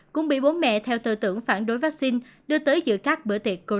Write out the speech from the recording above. cũng bị bố mẹ theo tư tưởng phản đối vaccine đưa tới giữa các bữa tiệc covid